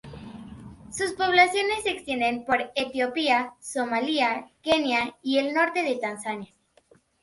Sus poblaciones se extienden por Etiopía, Somalia, Kenia y el norte de Tanzania.